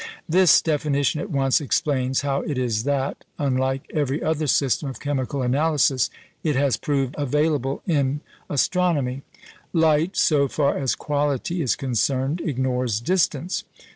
This definition at once explains how it is that, unlike every other system of chemical analysis, it has proved available in astronomy. Light, so far as quality is concerned, ignores distance.